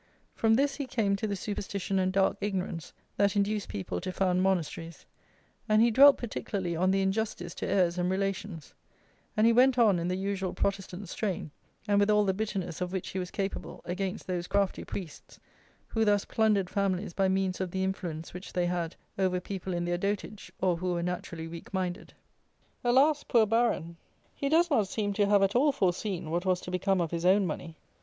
From this he came to the superstition and dark ignorance that induced people to found monasteries; and he dwelt particularly on the injustice to heirs and relations; and he went on, in the usual Protestant strain, and with all the bitterness of which he was capable, against those crafty priests, who thus plundered families by means of the influence which they had over people in their dotage, or who were naturally weak minded. Alas! poor Baron! he does not seem to have at all foreseen what was to become of his own money!